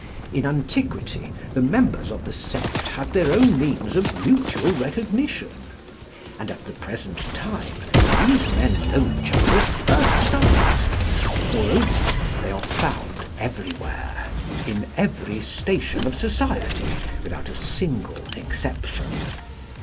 In antiquity the members of the sect had their own means of mutual recognition. And at the present time, these men know each other at first sight; moreover, they are found everywhere, in every station of society, without a single exception.